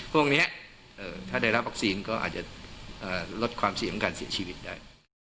พวกนี้ถ้าได้รับวัคซีนก็อาจจะลดความเสี่ยงของการเสียชีวิตได้